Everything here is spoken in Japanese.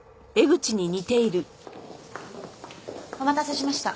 お待たせしました。